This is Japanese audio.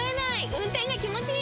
運転が気持ちいい！